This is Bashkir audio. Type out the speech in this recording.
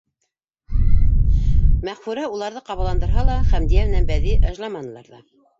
Мәғфүрә уларҙы ҡабаландырһа ла, Хәмдиә менән Бәҙи ыжламанылар ҙа.